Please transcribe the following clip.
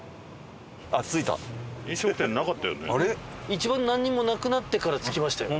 一番なんにもなくなってから着きましたよ。